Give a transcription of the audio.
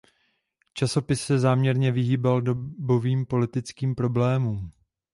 Časopis se záměrně vyhýbal dobovým politickým problémům.